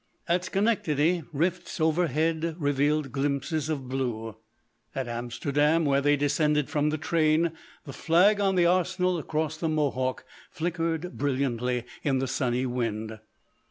At Schenectady, rifts overhead revealed glimpses of blue. At Amsterdam, where they descended from the train, the flag on the arsenal across the Mohawk flickered brilliantly in the sunny wind.